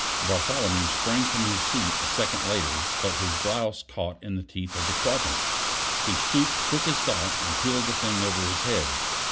Bartholomew sprang from his seat a second later; but his blouse caught in the teeth of the quadrant. He stooped quick as thought, and peeled the thing over his head.